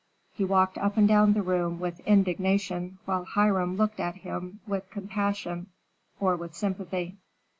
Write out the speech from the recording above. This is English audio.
He walked up and down the room, with indignation, while Hiram looked at him with compassion or with sympathy.